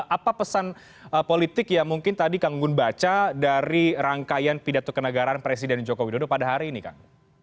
apa pesan politik yang mungkin tadi kang gun baca dari rangkaian pidato kenegaraan presiden joko widodo pada hari ini kang